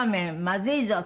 まずいぞ！」